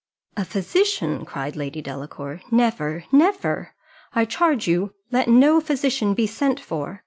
"A physician!" cried Lady Delacour, "Never never. I charge you let no physician be sent for.